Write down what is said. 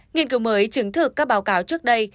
nghiên cứu mới chứng thực các báo cáo trước đây